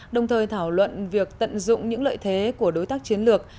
đồng thời thảo luận việc tận dụng những lợi thế của đối tác chiến lược